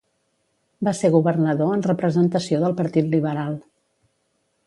Va ser governador en representació del Partit Liberal.